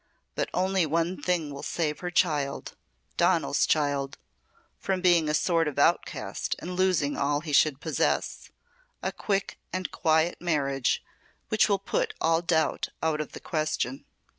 But only one thing will save her child Donal's child from being a sort of outcast and losing all he should possess a quick and quiet marriage which will put all doubt out of the question."